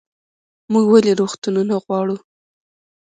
موږ ولې روغتونونه غواړو؟